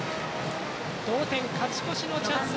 同点、勝ち越しのチャンス